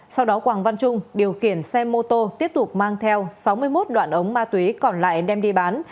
sau đó quảng văn trung điều kiển xe mô tô tiếp tục mang theo sáu mươi một đoạn ống ma túy còn lại đem đi bán